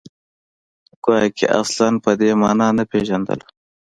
ګواکې اصلاً په دې معنا نه پېژندله